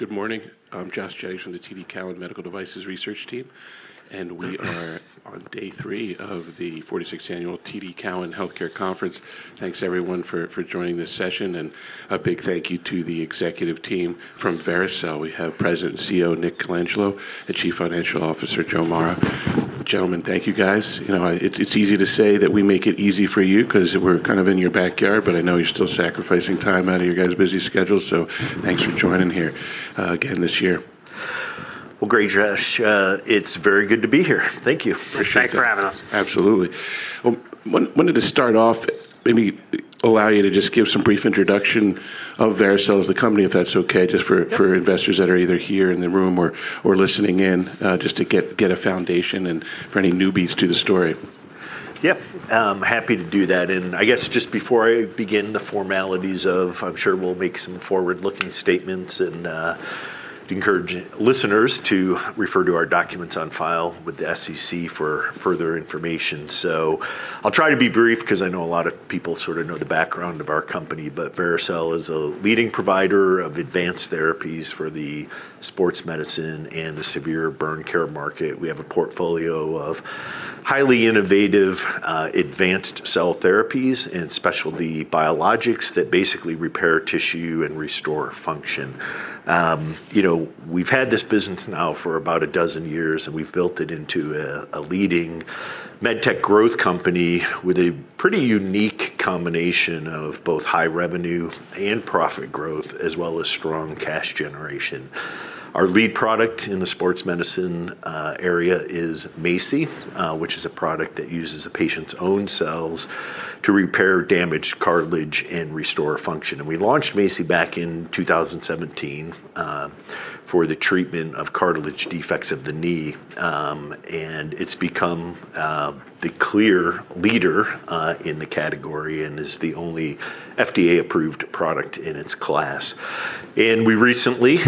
Good morning. I'm Josh Jennings from the TD Cowen Medical Devices research team. We are on day three of the 46th Annual TD Cowen Healthcare Conference. Thanks everyone for joining this session. A big thank you to the executive team from Vericel. We have President and CEO, Nick Colangelo, Chief Financial Officer, Joe Mara. Gentlemen, thank you, guys. You know, it's easy to say that we make it easy for you 'cause we're kind of in your backyard. I know you're still sacrificing time out of your guys' busy schedule. Thanks for joining here again this year. Well, great, Josh. It's very good to be here. Thank you. Appreciate. Thanks for having us. Absolutely. Well, wanted to start off, maybe allow you to just give some brief introduction of Vericel as the company, if that's okay. Yep.... for investors that are either here in the room or listening in, just to get a foundation and for any newbies to the story. Yep. I'm happy to do that. I guess just before I begin the formalities of, I'm sure we'll make some forward-looking statements and encourage listeners to refer to our documents on file with the SEC for further information. I'll try to be brief 'cause I know a lot of people sort of know the background of our company. Vericel is a leading provider of advanced therapies for the sports medicine and the severe burn care market. We have a portfolio of highly innovative advanced cell therapies and specialty biologics that basically repair tissue and restore function. You know, we've had this business now for about a dozen years, and we've built it into a leading med tech growth company with a pretty unique combination of both high revenue and profit growth, as well as strong cash generation. Our lead product in the sports medicine area is MACI, which is a product that uses a patient's own cells to repair damaged cartilage and restore function. We launched MACI back in 2017 for the treatment of cartilage defects of the knee, and it's become the clear leader in the category and is the only FDA-approved product in its class. We recently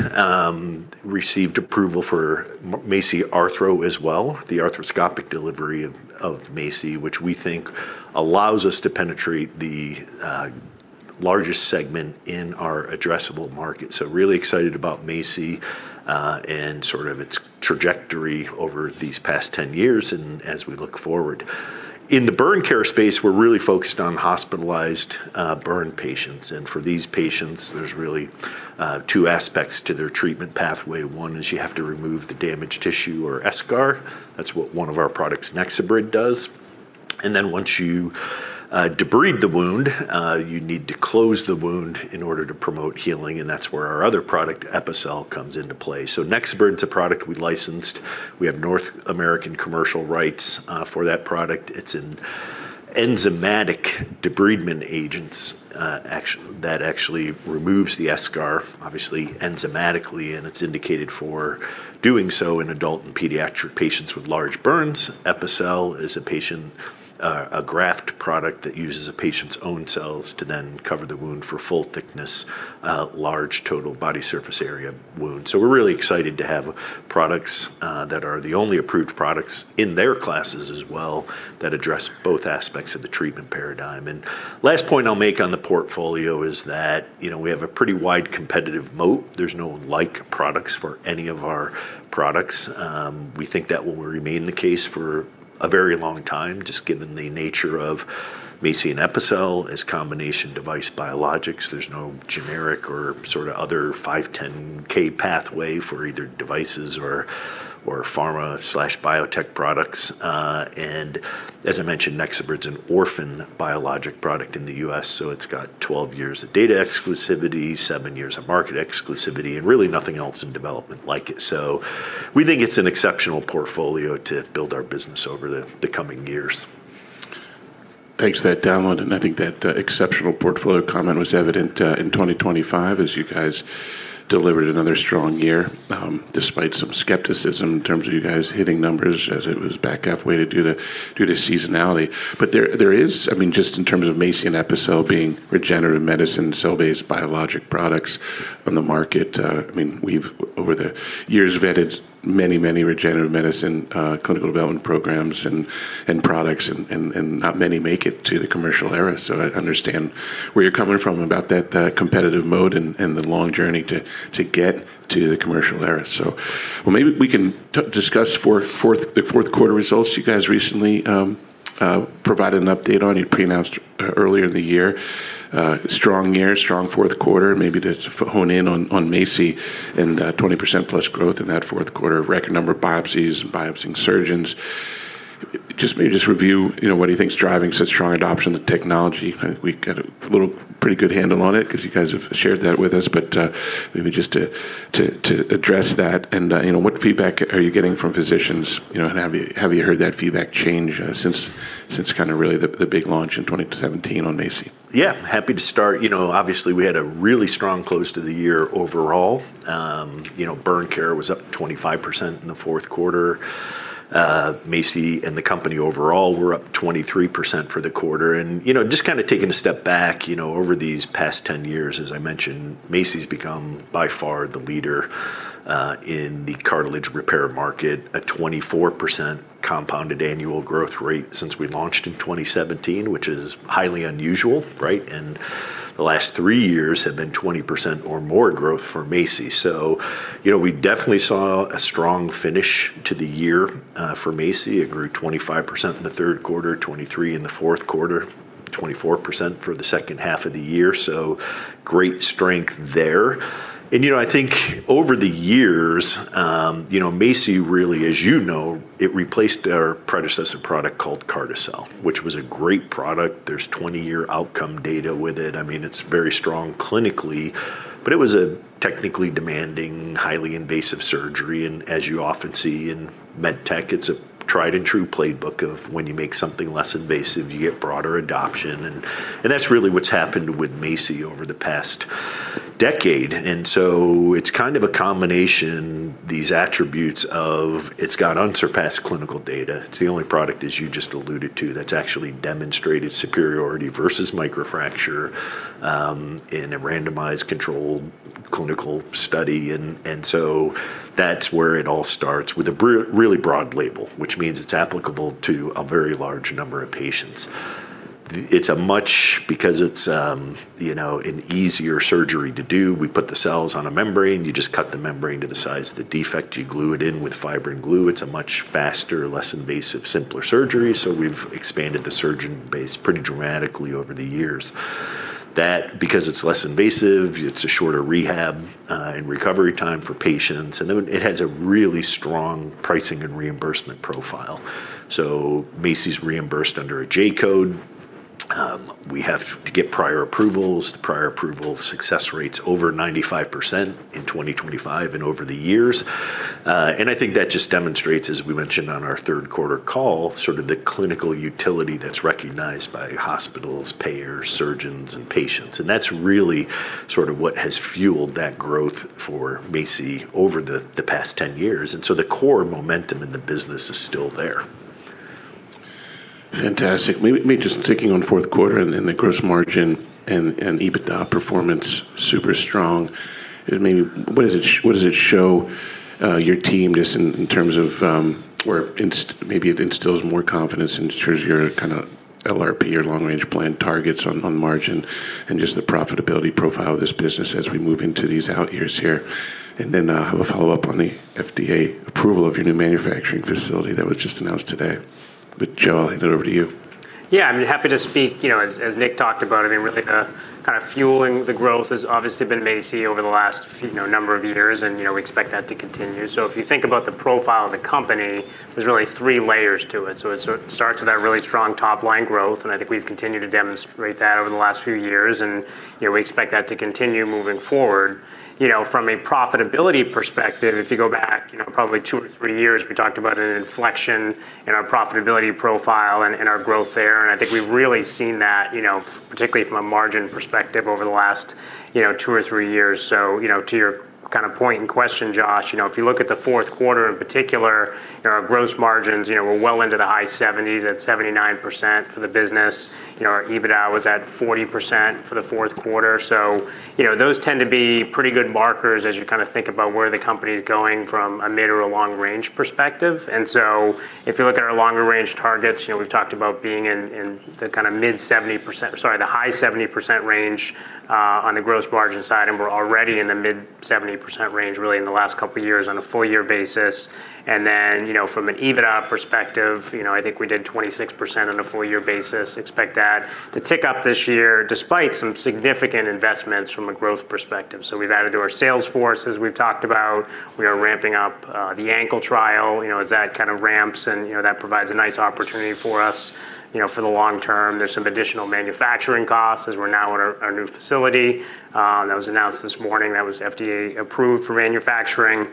received approval for MACI Arthro as well, the arthroscopic delivery of MACI, which we think allows us to penetrate the largest segment in our addressable market. Really excited about MACI and sort of its trajectory over these past 10 years and as we look forward. In the burn care space, we're really focused on hospitalized burn patients, and for these patients, there's really 2 aspects to their treatment pathway. One is you have to remove the damaged tissue or eschar. That's what one of our products, NexoBrid, does. Once you debride the wound, you need to close the wound in order to promote healing, and that's where our other product, Epicel, comes into play. NexoBrid's a product we licensed. We have North American commercial rights for that product. It's an enzymatic debridement agents, that actually removes the eschar, obviously enzymatically, and it's indicated for doing so in adult and pediatric patients with large burns. Epicel is a patient, a graft product that uses a patient's own cells to then cover the wound for full-thickness, large Total Body Surface Area wounds. We're really excited to have products that are the only approved products in their classes as well that address both aspects of the treatment paradigm. Last point I'll make on the portfolio is that, you know, we have a pretty wide competitive moat. There's no like products for any of our products. We think that will remain the case for a very long time, just given the nature of MACI and Epicel as combination device biologics. There's no generic or sort of other 510(k) pathway for either devices or pharma/biotech products. As I mentioned, NexoBrid's an orphan biologic product in the U.S., so it's got 12 years of data exclusivity, seven years of market exclusivity, and really nothing else in development like it. We think it's an exceptional portfolio to build our business over the coming years. Thanks for that download. I think that exceptional portfolio comment was evident in 2025 as you guys delivered another strong year despite some skepticism in terms of you guys hitting numbers as it was back halfway due to seasonality. There is, I mean, just in terms of MACI and Epicel being regenerative medicine, cell-based biologic products on the market, I mean, we've over the years vetted many regenerative medicine clinical development programs and products and not many make it to the commercial era. I understand where you're coming from about that competitive mode and the long journey to get to the commercial era. Well, maybe we can discuss the fourth quarter results you guys recently provided an update on. You pre-announced earlier in the year, strong year, strong fourth quarter, maybe to hone in on MACI and 20% plus growth in that fourth quarter, record number of biopsies and biopsying surgeons. Just maybe review, you know, what do you think is driving such strong adoption of the technology? I think we got a little pretty good handle on it 'cause you guys have shared that with us. Maybe just to address that and, you know, what feedback are you getting from physicians, you know, and have you heard that feedback change since kind of really the big launch in 2017 on MACI? Yeah, happy to start. You know, obviously, we had a really strong close to the year overall. You know, burn care was up 25% in the fourth quarter. MACI and the company overall were up 23% for the quarter. You know, just kind of taking a step back, you know, over these past 10 years, as I mentioned, MACI's become by far the leader in the cartilage repair market, a 24% compounded annual growth rate since we launched in 2017, which is highly unusual, right? The last 3 years have been 20% or more growth for MACI. You know, we definitely saw a strong finish to the year for MACI. It grew 25% in the third quarter, 23% in the fourth quarter, 24% for the second half of the year, great strength there. You know, I think over the years, you know, MACI really, as you know, it replaced our predecessor product called Carticel, which was a great product. There's 20-year outcome data with it. I mean, it's very strong clinically, but it was a technically demanding, highly invasive surgery. As you often see in med tech, it's a tried-and-true playbook of when you make something less invasive, you get broader adoption, and that's really what's happened with MACI over the past decade. So it's kind of a combination, these attributes of it's got unsurpassed clinical data. It's the only product, as you just alluded to, that's actually demonstrated superiority versus microfracture in a randomized controlled clinical study. So that's where it all starts with a really broad label, which means it's applicable to a very large number of patients. Because it's, you know, an easier surgery to do, we put the cells on a membrane. You just cut the membrane to the size of the defect, you glue it in with fibrin glue. It's a much faster, less invasive, simpler surgery. We've expanded the surgeon base pretty dramatically over the years. That because it's less invasive, it's a shorter rehab, and recovery time for patients, and then it has a really strong pricing and reimbursement profile. MACI's reimbursed under a J-code. We have to get prior approvals. The prior approval success rate's over 95% in 2025 and over the years. I think that just demonstrates, as we mentioned on our third quarter call, sort of the clinical utility that's recognized by hospitals, payers, surgeons, and patients. That's really sort of what has fueled that growth for MACI over the past 10 years. The core momentum in the business is still there. Fantastic. May we just sticking on fourth quarter and the gross margin and EBITDA performance, super strong. I mean, what does it, what does it show, your team just in terms of, or maybe it instills more confidence in terms of your kind of LRP or long-range plan targets on margin and just the profitability profile of this business as we move into these out years here? I have a follow-up on the FDA approval of your new manufacturing facility that was just announced today. Joe, I'll hand it over to you. Yeah, I mean, happy to speak. You know, as Nick talked about, I mean, really, kind of fueling the growth has obviously been MACI over the last few, you know, number of years and, you know, we expect that to continue. If you think about the profile of the company, there's really three layers to it. It sort of starts with that really strong top-line growth, and I think we've continued to demonstrate that over the last few years and, you know, we expect that to continue moving forward. You know, from a profitability perspective, if you go back, you know, probably two or three years, we talked about an inflection in our profitability profile and in our growth there. I think we've really seen that, you know, particularly from a margin perspective over the last, you know, two or three years. You know, to your kind of point and question, Josh, you know, if you look at the fourth quarter in particular, you know, our gross margins, you know, were well into the high 70s at 79% for the business. You know, our EBITDA was at 40% for the fourth quarter. You know, those tend to be pretty good markers as you kind of think about where the company's going from a mid or a long-range perspective. If you look at our longer range targets, you know, we've talked about being in the kind of mid 70%, sorry, the high 70% range on the gross margin side, and we're already in the mid 70% range really in the last couple of years on a full-year basis. Then, you know, from an EBITDA perspective, you know, I think we did 26% on a full-year basis. Expect that to tick up this year despite some significant investments from a growth perspective. We've added to our sales force, as we've talked about. We are ramping up the ankle trial, you know, as that kind of ramps and, you know, that provides a nice opportunity for us, you know, for the long term. There's some additional manufacturing costs as we're now in our new facility that was announced this morning that was FDA approved for manufacturing.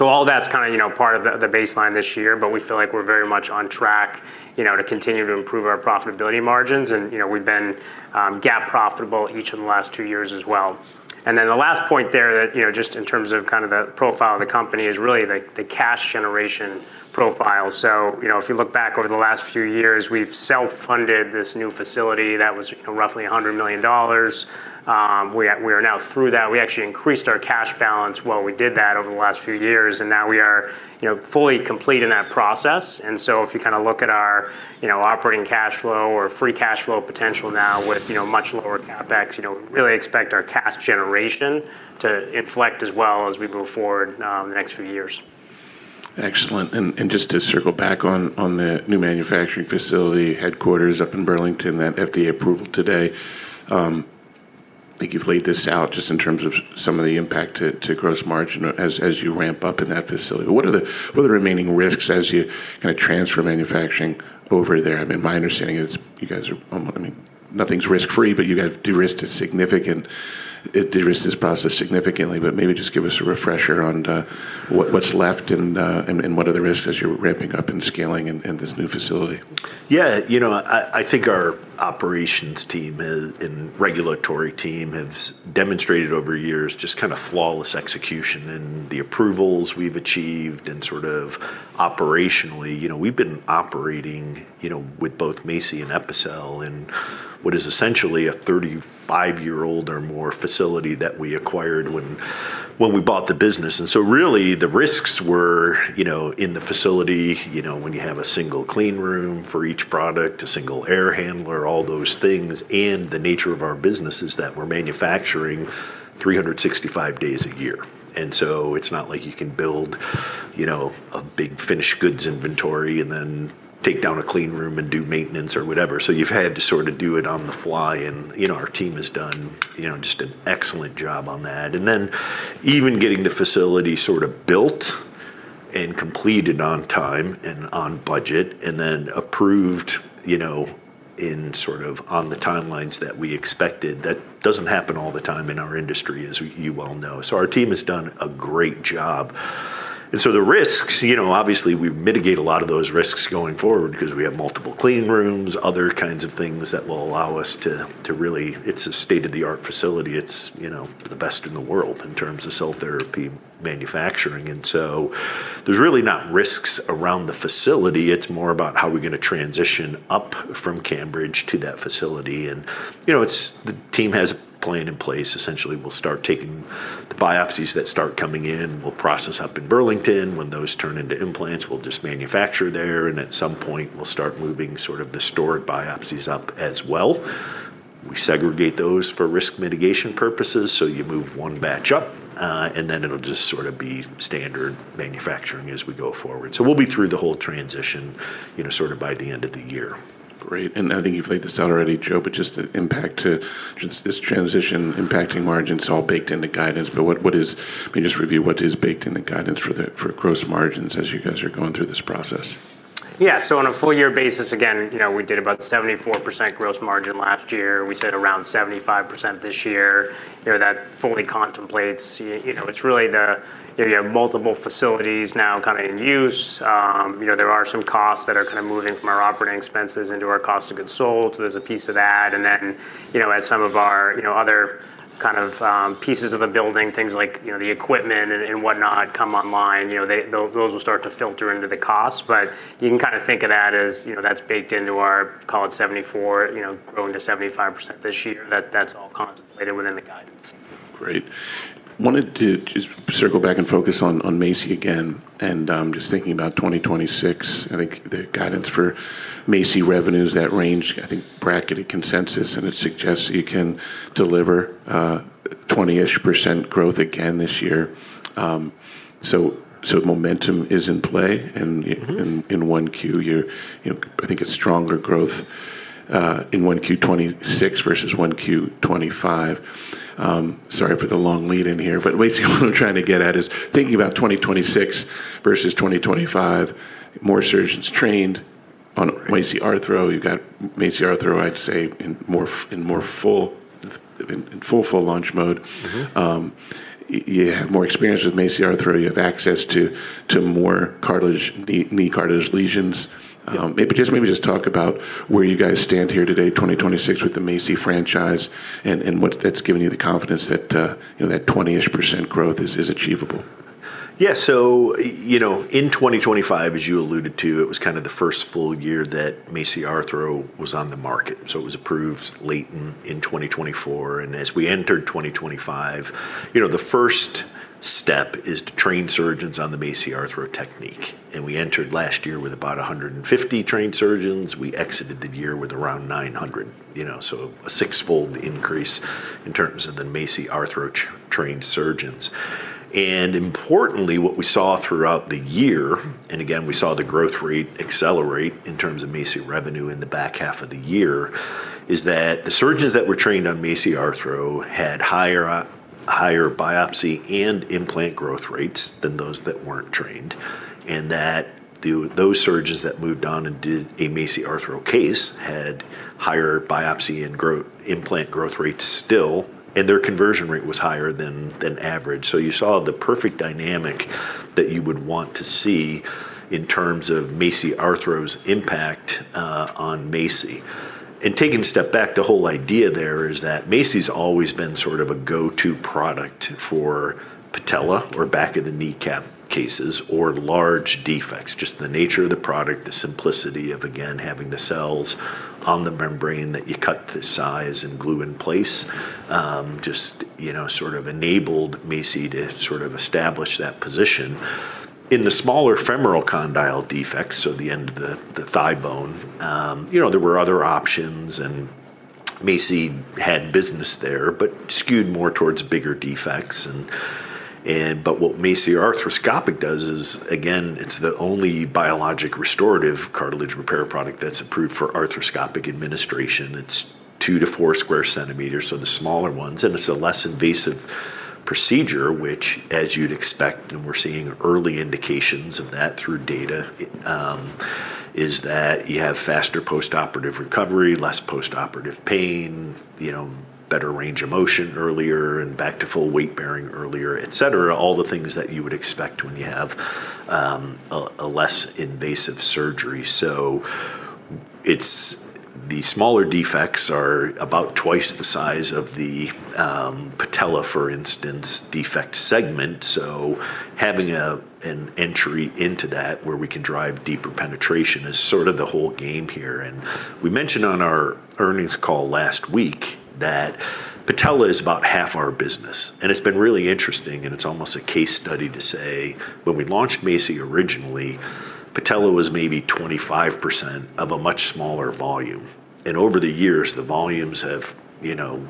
All that's kinda, you know, part of the baseline this year, but we feel like we're very much on track, you know, to continue to improve our profitability margins. You know, we've been GAAP profitable each of the last two years as well. The last point there that, you know, just in terms of kind of the profile of the company is really the cash generation profile. You know, if you look back over the last few years, we've self-funded this new facility that was roughly $100 million. We are now through that. We actually increased our cash balance while we did that over the last few years, and now we are, you know, fully complete in that process. If you kinda look at our, you know, operating cash flow or free cash flow potential now with, you know, much lower CapEx, you know, really expect our cash generation to inflect as well as we move forward the next few years. Excellent. Just to circle back on the new manufacturing facility headquarters up in Burlington, that FDA approval today. I think you've laid this out just in terms of some of the impact to gross margin as you ramp up in that facility. What are the remaining risks as you kinda transfer manufacturing over there? I mean, my understanding is you guys I mean, nothing's risk-free, but you guys de-risked this process significantly. Maybe just give us a refresher on what's left and what are the risks as you're ramping up and scaling in this new facility? Yeah. You know, I think our operations team has and regulatory team have demonstrated over years just kind of flawless execution in the approvals we've achieved and sort of operationally. You know, we've been operating, you know, with both MACI and Epicel in what is essentially a 35-year-old or more facility that we acquired when we bought the business. Really the risks were, you know, in the facility, you know, when you have a single clean room for each product, a single air handler, all those things, and the nature of our business is that we're manufacturing 365 days a year. It's not like you can build, you know, a big finished goods inventory and then take down a clean room and do maintenance or whatever. You've had to sort of do it on the fly and, you know, our team has done, you know, just an excellent job on that. Then even getting the facility sort of built and completed on time and on budget and then approved, you know, in sort of on the timelines that we expected, that doesn't happen all the time in our industry, as you well know. Our team has done a great job. The risks, you know, obviously we mitigate a lot of those risks going forward because we have multiple clean rooms, other kinds of things that will allow us to really. It's a state-of-the-art facility. It's, you know, the best in the world in terms of cell therapy manufacturing. There's really not risks around the facility. It's more about how we're gonna transition up from Cambridge to that facility. You know, it's the team has a plan in place. Essentially, we'll start taking the biopsies that start coming in. We'll process up in Burlington. When those turn into implants, we'll just manufacture there, and at some point, we'll start moving sort of the stored biopsies up as well. We segregate those for risk mitigation purposes, so you move one batch up, and then it'll just sort of be standard manufacturing as we go forward. We'll be through the whole transition, you know, sort of by the end of the year. Great. I think you've laid this out already, Joe, just the impact to this transition impacting margins all baked into guidance. What is baked in the guidance for gross margins as you guys are going through this process? Yeah. On a full-year basis, again, you know, we did about 74% gross margin last year. We said around 75% this year. You know, that fully contemplates, you know, it's really you have multiple facilities now kind of in use. You know, there are some costs that are kind of moving from our operating expenses into our cost of goods sold. There's a piece of that. You know, as some of our, you know, other kind of pieces of a building, things like, you know, the equipment and whatnot come online, you know, those will start to filter into the cost. You can kind of think of that as, you know, that's baked into our, call it 74%, you know, growing to 75% this year, that's all contemplated within the guidance. Great. Wanted to just circle back and focus on MACI again, I'm just thinking about 2026. I think the guidance for MACI revenues that range, I think bracketed consensus, it suggests you can deliver 20%-ish growth again this year. Momentum is in play. Mm-hmm.... in 1 Q. You're, you know, I think it's stronger growth in 1Q 2026 versus 1Q 2025. Sorry for the long lead in here. Basically what I'm trying to get at is thinking about 2026 versus 2025, more surgeons trained on MACI Arthro. You've got MACI Arthro, I'd say in more full launch mode. Mm-hmm. You have more experience with MACI Arthro. You have access to more cartilage, knee cartilage lesions. maybe just talk about where you guys stand here today, 2026, with the MACI franchise and what's that's giving you the confidence that, you know, that 20%-ish growth is achievable. Yeah. you know, in 2025, as you alluded to, it was kind of the first full-year that MACI Arthro was on the market, it was approved late in 2024. As we entered 2025, you know, the first step is to train surgeons on the MACI Arthro technique. We entered last year with about 150 trained surgeons. We exited the year with around 900, you know, a six-fold increase in terms of the MACI Arthro trained surgeons. Importantly, what we saw throughout the year, and again, we saw the growth rate accelerate in terms of MACI revenue in the back half of the year, is that the surgeons that were trained on MACI Arthro had higher biopsy and implant growth rates than those that weren't trained. That those surgeons that moved on and did a MACI Arthro case had higher biopsy and implant growth rates still, and their conversion rate was higher than average. You saw the perfect dynamic that you would want to see in terms of MACI Arthro's impact on MACI. Taking a step back, the whole idea there is that MACI's always been sort of a go-to product for patella or back of the kneecap cases or large defects, just the nature of the product, the simplicity of, again, having the cells on the membrane that you cut to size and glue in place, just, you know, sort of enabled MACI to sort of establish that position. In the smaller femoral condyle defects, so the end of the thigh bone, you know, there were other options, MACI had business there, but skewed more towards bigger defects. But what MACI Arthroscopic does is, again, it's the only biologic restorative cartilage repair product that's approved for arthroscopic administration. It's 2 to 4 square centimeters, so the smaller ones, it's a less invasive procedure, which as you'd expect, and we're seeing early indications of that through data, is that you have faster postoperative recovery, less postoperative pain, you know, better range of motion earlier and back to full-weight bearing earlier, et cetera. All the things that you would expect when you have a less invasive surgery. The smaller defects are about twice the size of the patella, for instance, defect segment. Having a, an entry into that where we can drive deeper penetration is sort of the whole game here. We mentioned on our earnings call last week that patella is about half our business, and it's been really interesting, and it's almost a case study to say when we launched MACI originally, patella was maybe 25% of a much smaller volume. Over the years, the volumes have, you know,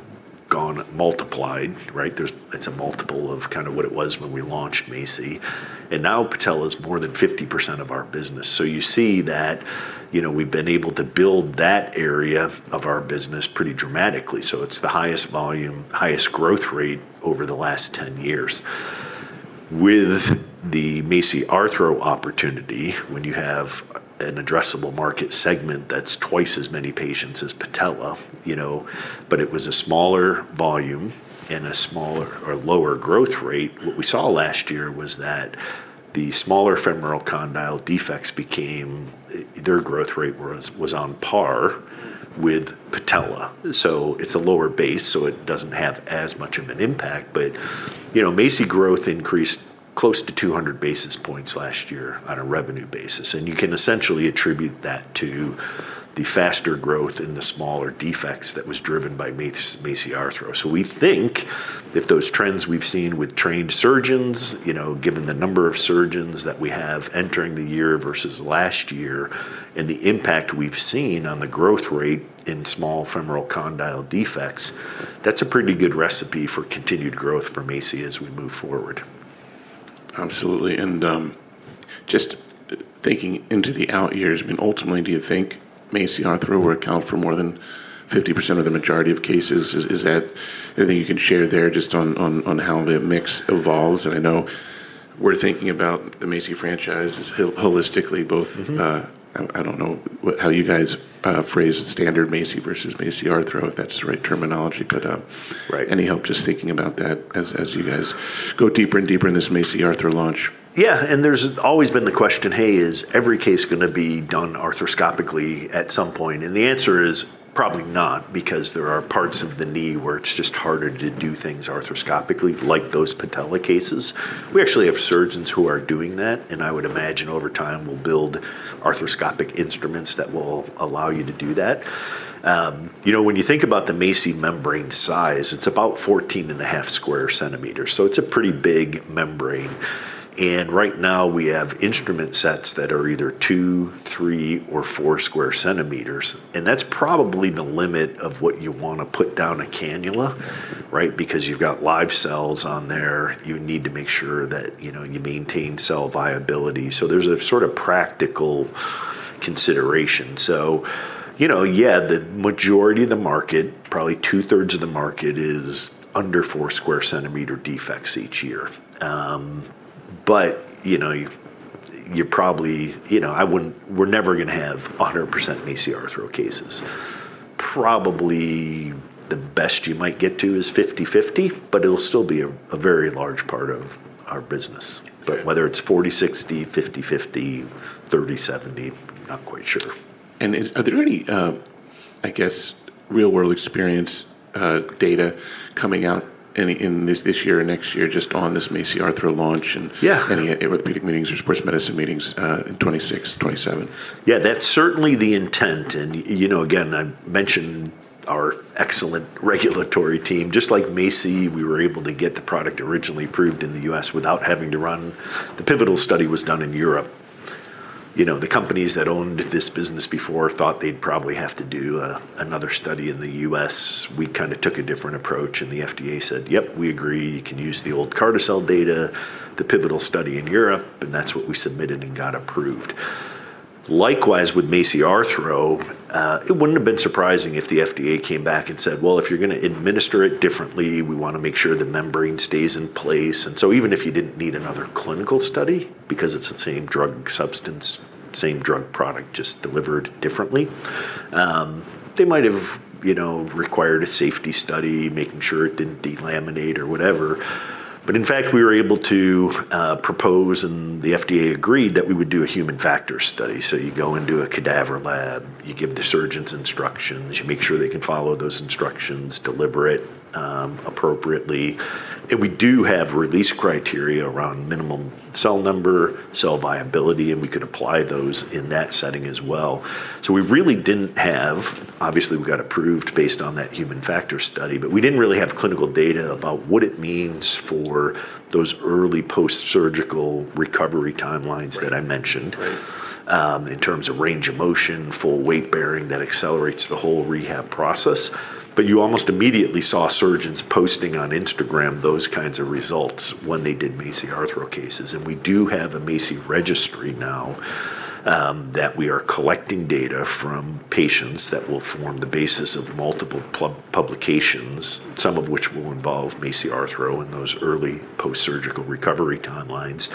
gone multiplied, right? It's a multiple of kind of what it was when we launched MACI, and now patella is more than 50% of our business. You see that, you know, we've been able to build that area of our business pretty dramatically. It's the highest volume, highest growth rate over the last 10 years. With the MACI Arthro opportunity, when you have an addressable market segment that's twice as many patients as patella, you know, but it was a smaller volume and a smaller or lower growth rate, what we saw last year was that the smaller femoral condyle defects, their growth rate was on par with patella. It's a lower base, so it doesn't have as much of an impact. You know, MACI growth increased close to 200 basis points last year on a revenue basis, and you can essentially attribute that to the faster growth in the smaller defects that was driven by MACI Arthro. We think if those trends we've seen with trained surgeons, you know, given the number of surgeons that we have entering the year versus last year, and the impact we've seen on the growth rate in small femoral condyle defects, that's a pretty good recipe for continued growth for MACI as we move forward. Absolutely. Just thinking into the out years, I mean, ultimately, do you think MACI Arthro will account for more than 50% of the majority of cases? Is that anything you can share there just on how the mix evolves? I know we're thinking about the MACI franchise as holistically both- Mm-hmm. I don't know how you guys phrase it, standard MACI versus MACI Arthro, if that's the right terminology, but. Right. Any help just thinking about that as you guys go deeper and deeper in this MACI Arthro launch? Yeah. There's always been the question, "Hey, is every case gonna be done arthroscopically at some point?" The answer is probably not, because there are parts of the knee where it's just harder to do things arthroscopically, like those patella cases. We actually have surgeons who are doing that, and I would imagine over time, we'll build arthroscopic instruments that will allow you to do that. You know, when you think about the MACI membrane size, it's about 14.5 square centimeters, so it's a pretty big membrane. Right now we have instrument sets that are either two, three, or four square centimeters, and that's probably the limit of what you wanna put down a cannula, right? Because you've got live cells on there. You need to make sure that, you know, you maintain cell viability. There's a sort of practical consideration. You know, yeah, the majority of the market, probably two-thirds of the market is under four square centimeter defects each year. You know, you're probably, you know, we're never gonna have a 100% MACI Arthro cases. Probably the best you might get to is 50/50, but it'll still be a very large part of our business. Okay. Whether it's 40-60, 50-50, 30-70, not quite sure. Are there any, I guess, real world experience data coming out any in this year or next year just on this MACI Arthro launch? Yeah. Any orthopedic meetings or sports medicine meetings, in 2026, 2027? Yeah, that's certainly the intent. You know, again, I mentioned our excellent regulatory team. Just like MACI, we were able to get the product originally approved in the U.S. without having to run. The pivotal study was done in Europe. You know, the companies that owned this business before thought they'd probably have to do another study in the U.S. We kind of took a different approach, and the FDA said, "Yep, we agree. You can use the old Carticel data, the pivotal study in Europe," and that's what we submitted and got approved. Likewise, with MACI Arthro, it wouldn't have been surprising if the FDA came back and said, "Well, if you're gonna administer it differently, we wanna make sure the membrane stays in place." Even if you didn't need another clinical study, because it's the same drug substance, same drug product, just delivered differently, they might have, you know, required a safety study, making sure it didn't delaminate or whatever. We were able to propose, and the FDA agreed that we would do a human factors study. You go into a cadaver lab, you give the surgeons instructions, you make sure they can follow those instructions, deliver it appropriately. We do have release criteria around minimum cell number, cell viability, and we could apply those in that setting as well. Obviously, we got approved based on that human factors study, but we didn't really have clinical data about what it means for those early post-surgical recovery timelines. Right. That I mentioned. Right. In terms of range of motion, full-weight bearing, that accelerates the whole rehab process. You almost immediately saw surgeons posting on Instagram those kinds of results when they did MACI Arthro cases. We do have a MACI registry now that we are collecting data from patients that will form the basis of multiple publications, some of which will involve MACI Arthro in those early post-surgical recovery timelines.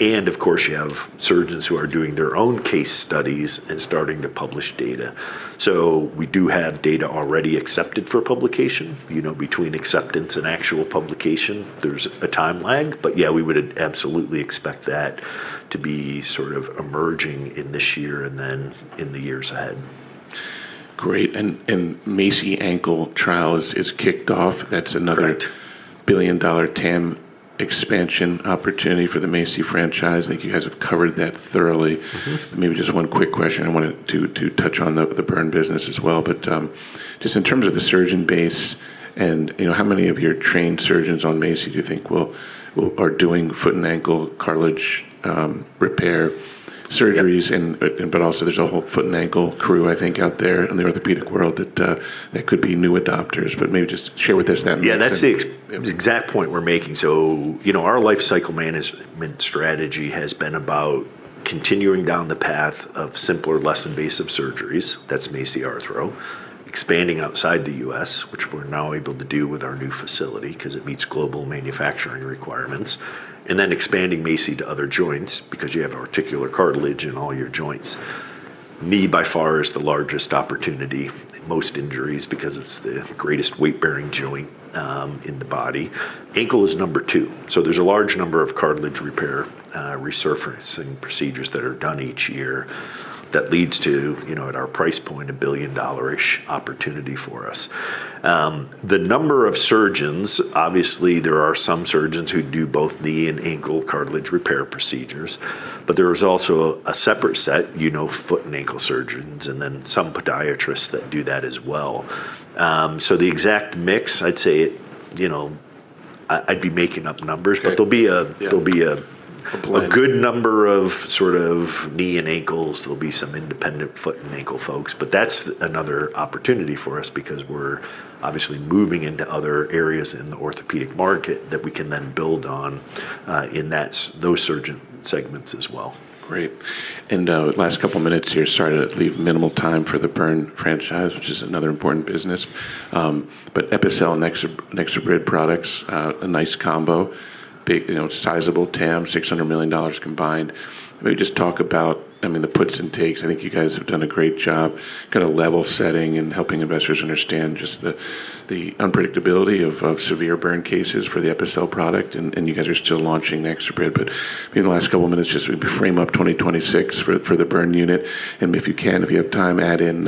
Of course, you have surgeons who are doing their own case studies and starting to publish data. We do have data already accepted for publication. You know, between acceptance and actual publication, there's a time lag, but yeah, we would absolutely expect that to be sort of emerging in this year and then in the years ahead. Great. MACI ankle trial is kicked off. Correct... billion-dollar TAM expansion opportunity for the MACI franchise. I think you guys have covered that thoroughly. Mm-hmm. Maybe just one quick question. I wanted to touch on the burn business as well. Just in terms of the surgeon base and, you know, how many of your trained surgeons on MACI do you think are doing foot and ankle cartilage, repair surgeries but also there's a whole foot and ankle crew, I think, out there in the orthopedic world that could be new adopters. Maybe just share with us that. Yeah, that's the exact point we're making. You know, our lifecycle management strategy has been about continuing down the path of simpler, less invasive surgeries, that's MACI Arthro, expanding outside the U.S., which we're now able to do with our new facility 'cause it meets global manufacturing requirements. Expanding MACI to other joints because you have articular cartilage in all your joints. Knee, by far, is the largest opportunity. Most injuries, because it's the greatest weightbearing joint in the body. Ankle is number two. There's a large number of cartilage repair, resurfacing procedures that are done each year that leads to, you know, at our price point, a billion-dollar-ish opportunity for us. The number of surgeons, obviously, there are some surgeons who do both knee and ankle cartilage repair procedures, but there is also a separate set, you know, foot and ankle surgeons and then some podiatrists that do that as well. The exact mix, I'd say, you know... I'd be making up numbers. Okay. Yeah. There'll be a. A blend ... a good number of sort of knee and ankles, there'll be some independent foot and ankle folks. That's another opportunity for us because we're obviously moving into other areas in the orthopedic market that we can then build on in those surgeon segments as well. Great. Last couple minutes here. Sorry to leave minimal time for the burn franchise, which is another important business. Epicel, NexoBrid products, a nice combo. Big, you know, sizable TAM, $600 million combined. Maybe just talk about, I mean, the puts and takes. I think you guys have done a great job kinda level setting and helping investors understand just the unpredictability of severe burn cases for the Epicel product. And you guys are still launching NexoBrid. Maybe in the last couple minutes, just maybe frame up 2026 for the burn unit. If you can, if you have time, add in,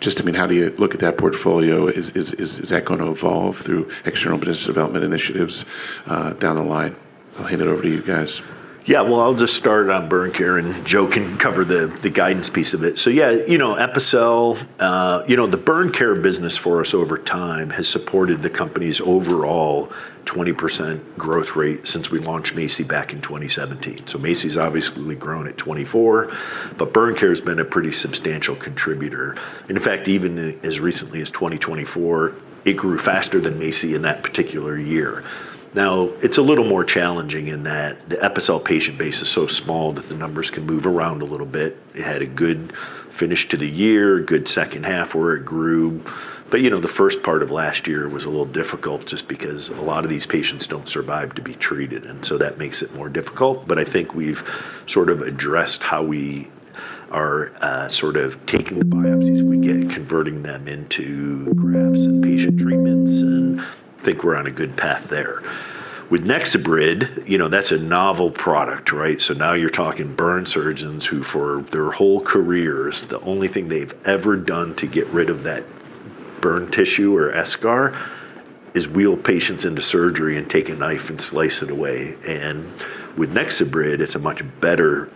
just, I mean, how do you look at that portfolio? Is that gonna evolve through external business development initiatives down the line? I'll hand it over to you guys. Well, I'll just start on burn care and Joe can cover the guidance piece of it. Yeah, you know, Epicel. You know, the burn care business for us over time has supported the company's overall 20% growth rate since we launched MACI back in 2017. MACI's obviously grown at 24%, but burn care's been a pretty substantial contributor. In fact, even as recently as 2024, it grew faster than MACI in that particular year. It's a little more challenging in that the Epicel patient base is so small that the numbers can move around a little bit. It had a good finish to the year, good second half where it grew. You know, the first part of last year was a little difficult just because a lot of these patients don't survive to be treated, and so that makes it more difficult. I think we've sort of addressed how we are, sort of taking the biopsies we get, converting them into grafts and patient treatments, and think we're on a good path there. With NexoBrid, you know, that's a novel product, right? Now you're talking burn surgeons who, for their whole careers, the only thing they've ever done to get rid of that burn tissue or eschar is wheel patients into surgery and take a knife and slice it away. With NexoBrid, it's a much better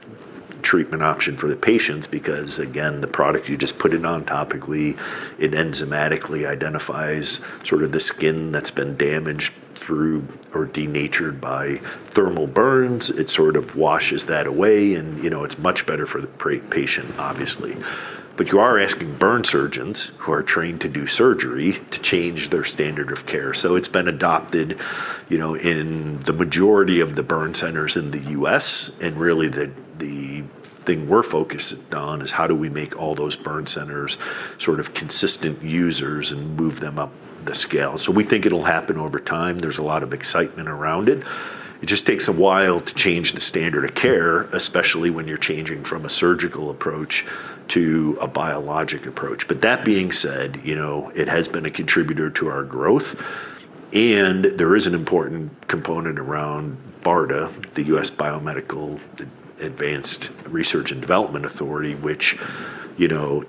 treatment option for the patients because, again, the product, you just put it on topically, it enzymatically identifies sort of the skin that's been damaged through or denatured by thermal burns. It sort of washes that away and, you know, it's much better for the patient, obviously. You are asking burn surgeons, who are trained to do surgery, to change their standard of care. It's been adopted, you know, in the majority of the burn centers in the U.S. Really, the thing we're focused on is how do we make all those burn centers sort of consistent users and move them up the scale. We think it'll happen over time. There's a lot of excitement around it. It just takes a while to change the standard of care, especially when you're changing from a surgical approach to a biologic approach. That being said, you know, it has been a contributor to our growth, and there is an important component around BARDA, the US Biomedical Advanced Research and Development Authority, which, you know,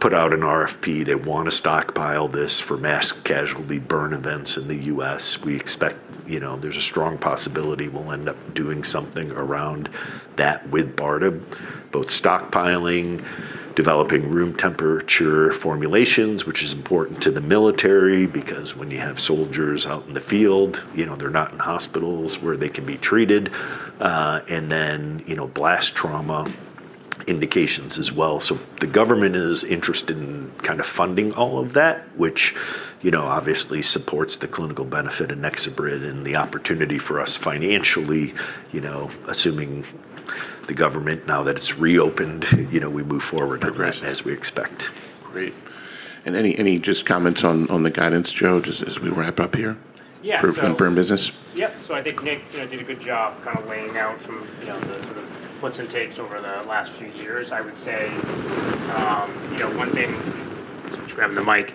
put out an RFP. They wanna stockpile this for mass casualty burn events in the U.S. We expect, you know, there's a strong possibility we'll end up doing something around that with BARDA, both stockpiling, developing room temperature formulations, which is important to the military because when you have soldiers out in the field, you know, they're not in hospitals where they can be treated. You know, blast trauma indications as well. The government is interested in kind of funding all of that, which, you know, obviously supports the clinical benefit of NexoBrid and the opportunity for us financially, you know, assuming the government, now that it's reopened, you know, we move forward. Progress... as we expect. Great. Any just comments on the guidance, Joe, just as we wrap up here? Yeah, so- For the burn business. I think Nick, you know, did a good job kind of laying out some, you know, the sort of puts and takes over the last few years. I would say, you know, one thing. Just grabbing the mic.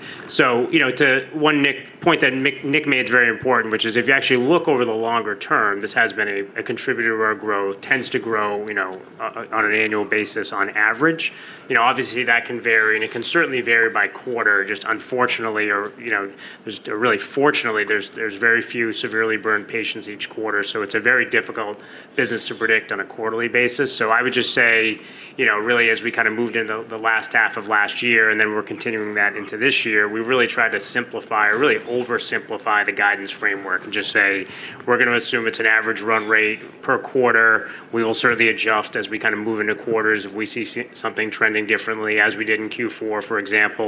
You know, to one Nick point that Nick made is very important, which is if you actually look over the longer term, this has been a contributor to our growth. Tends to grow, you know, on an annual basis on average. You know, obviously, that can vary, and it can certainly vary by quarter. Unfortunately or, you know, just really fortunately, there's very few severely burned patients each quarter, so it's a very difficult business to predict on a quarterly basis. I would just say, you know, really as we kinda moved into the last half of last year, and then we're continuing that into this year, we really tried to simplify or really oversimplify the guidance framework and just say, "We're gonna assume it's an average run rate per quarter. We will certainly adjust as we kinda move into quarters if we see something trending differently, as we did in Q4, for example."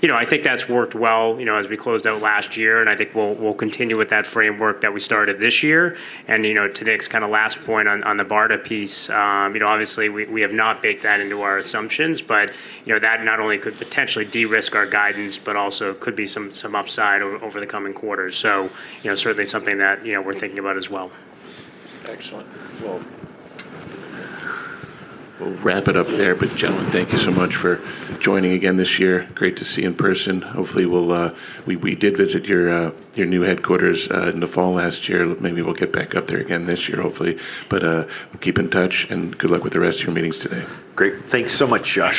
You know, I think that's worked well, you know, as we closed out last year, and I think we'll continue with that framework that we started this year. You know, to Nick's kinda last point on the BARDA piece, you know, obviously we have not baked that into our assumptions, but, you know, that not only could potentially de-risk our guidance, but also could be some upside over the coming quarters. You know, certainly something that, you know, we're thinking about as well. Excellent. Well, we'll wrap it up there. gentlemen, thank you so much for joining again this year. Great to see you in person. Hopefully, we'll. We did visit your new headquarters in the fall last year. Maybe we'll get back up there again this year hopefully. we'll keep in touch, and good luck with the rest of your meetings today. Great. Thanks so much, Josh.